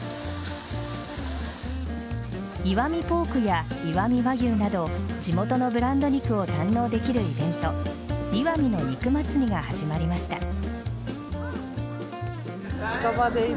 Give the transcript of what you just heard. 石見ポークや石見和牛など地元のブランド肉を堪能できるイベント石見の肉まつりが始まりました。